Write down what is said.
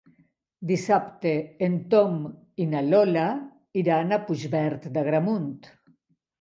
Dissabte en Tom i na Lola iran a Puigverd d'Agramunt.